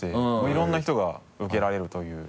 いろんな人が受けられるという。